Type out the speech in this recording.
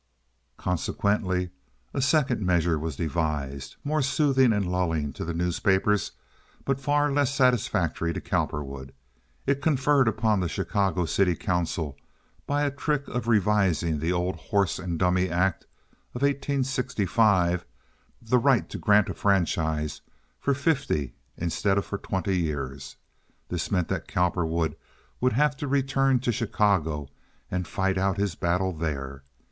Consequently a second measure was devised—more soothing and lulling to the newspapers, but far less satisfactory to Cowperwood. It conferred upon the Chicago City Council, by a trick of revising the old Horse and Dummy Act of 1865, the right to grant a franchise for fifty instead of for twenty years. This meant that Cowperwood would have to return to Chicago and fight out his battle there.